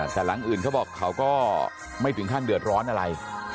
แต่หลังอื่นเขาบอกเขาก็ไม่ถึงขั้นเดือดร้อนอะไร